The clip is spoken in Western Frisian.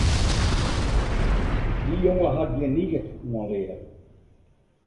Dy jonge hat gjin niget oan learen.